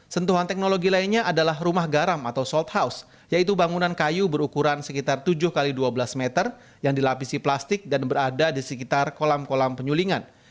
sentuhan teknologi lainnya adalah rumah garam atau sold house yaitu bangunan kayu berukuran sekitar tujuh x dua belas meter yang dilapisi plastik dan berada di sekitar kolam kolam penyulingan